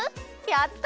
やった！